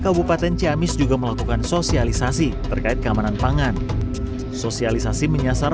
kabupaten ciamis juga melakukan sosialisasi terkait keamanan pangan sosialisasi menyasar